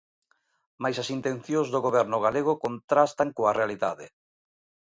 Mais as intencións do Goberno galego contrastan coa realidade.